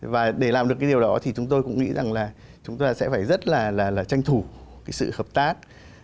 và để làm được cái điều đó thì chúng tôi cũng nghĩ rằng là chúng ta sẽ phải rất là tranh thủ cái sự hợp tác